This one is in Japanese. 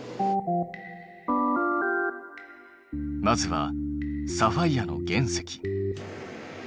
まずはサファイアの原石。